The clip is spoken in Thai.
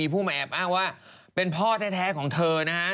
ผู้มาแอบอ้างว่าเป็นพ่อแท้ของเธอนะฮะ